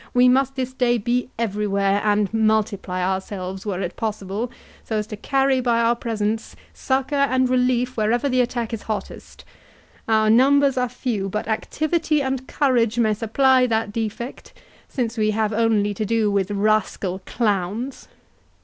—we must this day be everywhere, and multiply ourselves, were it possible, so as to carry by our presence succour and relief wherever the attack is hottest. Our numbers are few, but activity and courage may supply that defect, since we have only to do with rascal clowns."